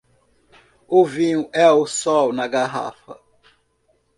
O vinho é o sol na garrafa.